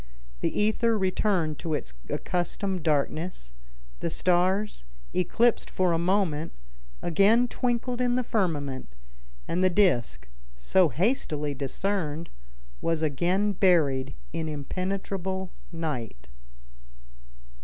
The ether returned to its accustomed darkness; the stars, eclipsed for a moment, again twinkled in the firmament, and the disc, so hastily discerned, was again buried in impenetrable night.